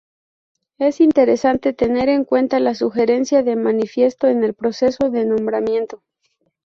Es interesante tener en cuenta la sugerencia de manifiesto en el proceso de nombramiento.